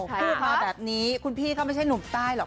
พูดมาแบบนี้คุณพี่ก็ไม่ใช่หนุ่มใต้หรอก